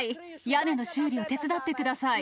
屋根の修理を手伝ってください。